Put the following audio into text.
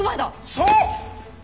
そう！